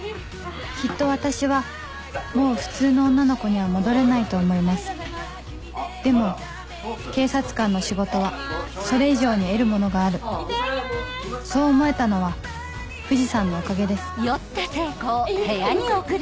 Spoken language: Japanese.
きっと私はもう普通の女の子には戻れないと思いますでも警察官の仕事はそれ以上に得るものがあるそう思えたのは藤さんのおかげですえっゆっくりゆっくり。